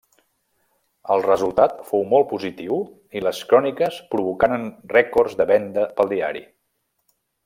El resultat fou molt positiu i les cròniques provocaren rècords de venda pel diari.